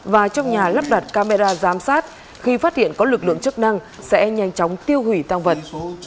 và trong nhà lắp đặt camera giám sát khi phát hiện có lực lượng chức năng sẽ nhanh chóng tiêu hủy tăng vật